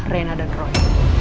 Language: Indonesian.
reina dan roy